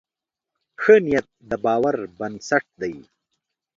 ښه نیت د باور بنسټ دی.